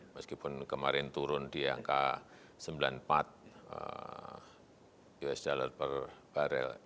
meskipun kemarin turun di angka sembilan puluh empat usd per barel